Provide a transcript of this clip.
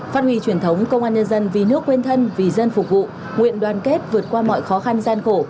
phát huy truyền thống công an nhân dân vì nước quên thân vì dân phục vụ nguyện đoàn kết vượt qua mọi khó khăn gian khổ